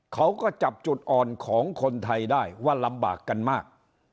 เขาก็จับจุดอ่อนของคนไทยได้ว่าลำบากกันมาก